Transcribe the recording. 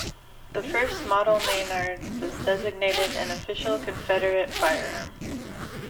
The First Model Maynard was designated an official Confederate firearm.